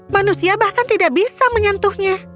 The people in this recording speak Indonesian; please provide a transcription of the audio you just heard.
manusia bahkan tidak bisa menyentuhnya